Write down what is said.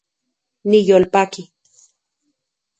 Niyolpaki